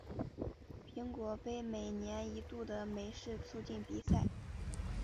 苹果杯每年一度的美式足球比赛。